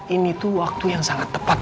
ini tuh waktu yang sangat tepat